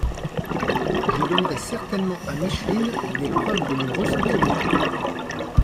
Je donnerais certainement à Micheline des preuves de mon ressentiment…